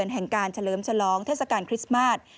แห่งการเฉลิมฉลองเทศกาลคริสต์มาส